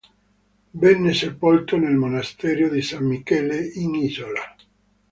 Venne sepolto nel monastero di San Michele in Isola.